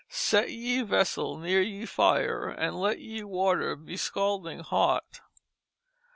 Set ye vessel near ye fire and let ye water be Scalding hot.